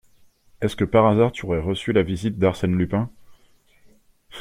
Est-ce que par hasard tu aurais reçu la visite d’Arsène Lupin ?